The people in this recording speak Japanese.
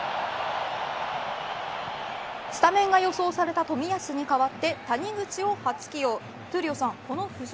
スタメンが予想された冨安に代えて、谷口を初起用。